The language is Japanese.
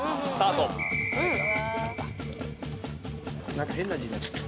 なんか変な字になっちゃった。